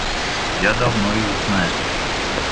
Я давно его знаю.